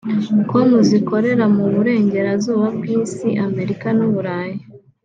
com zikorera mu burengerazuba bw’Isi (Amerika n’Uburayi)